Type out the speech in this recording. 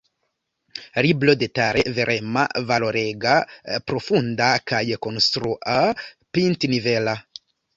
Libro detale verema, valorega, profunda kaj konstrua, pintnivela.